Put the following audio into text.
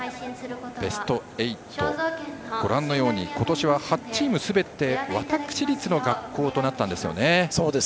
ベスト８、ご覧のように今年は８チームすべて私立の学校となったんですよね。